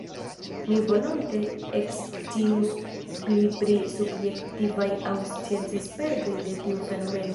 Mi volonte ekscius pli pri subjektivaj aŭ sciencaj spertoj de tiu fenomeno.